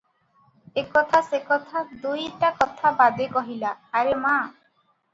ଏ କଥା, ସେ କଥା, ଦୁଇଟା କଥା ବାଦେ କହିଲା, "ଆରେ ମା!